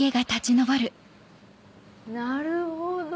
なるほど。